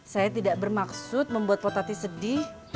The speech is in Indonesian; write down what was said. saya tidak bermaksud membuat potati sedih